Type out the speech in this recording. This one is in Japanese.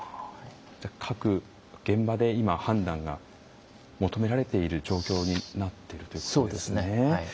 各現場で今判断が求められている状況になってるということですね。